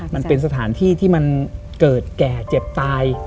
มันเป็นสถานที่ที่มันเกิดแก่เจ็บตาย